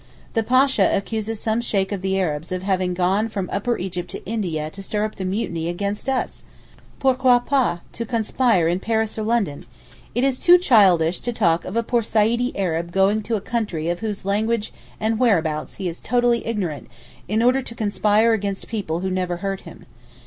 The Pasha accuses some Sheykh of the Arabs of having gone from Upper Egypt to India to stir up the Mutiny against us! Pourquoi pas to conspire in Paris or London? It is too childish to talk of a poor Saeedee Arab going to a country of whose language and whereabouts he is totally ignorant, in order to conspire against people who never hurt him.